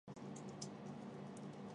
万历二十九年进士。